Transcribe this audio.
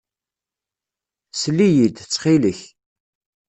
Sel-iyi-d, ttxil-k.